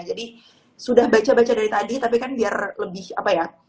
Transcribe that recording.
jadi sudah baca baca dari tadi tapi kan biar lebih apa ya